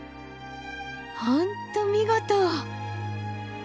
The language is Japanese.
本当見事。